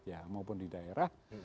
ya maupun di daerah